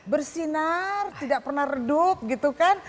bersinar tidak pernah redup gitu kan